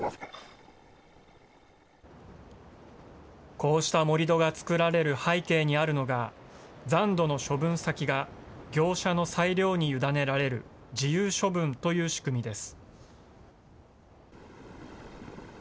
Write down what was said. こうした盛り土が造られる背景にあるのが、残土の処分先が業者の裁量に委ねられる自由処分という仕組みです。